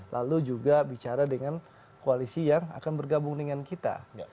lalu juga bicara dengan koalisi yang akan bergabung dengan kita